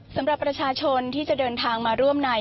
สำหรับประชาชนที่จะเดินทางมาร่วมใน